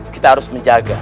kita harus menjaga